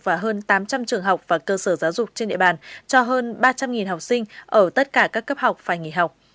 và hơn tám trăm linh trường học và cơ sở giáo dục trên địa bàn cho hơn ba trăm linh học sinh ở tất cả các cấp học phải nghỉ học